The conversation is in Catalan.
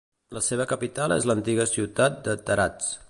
La seva capital és l'antiga ciutat de Taraz.